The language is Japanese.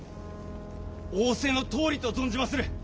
仰せのとおりと存じまする！